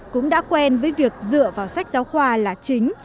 cũng đã quen với việc dựa vào sách giáo khoa là chính